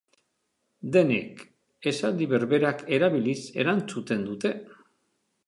Denek esaldi berberak erabiliz erantzuten dute.